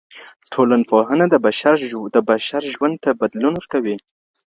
ټولنپوهنه د بشر ژوند ته بدلون ورکوي.